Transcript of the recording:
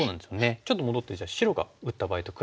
ちょっと戻ってじゃあ白が打った場合と比べてみましょうか。